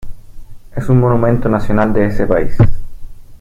Es un monumento nacional de ese país.